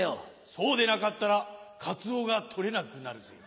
そうでなかったらカツオが取れなくなるぜよ。